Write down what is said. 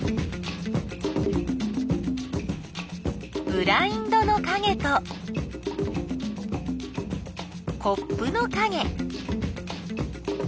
ブラインドのかげとコップのかげ。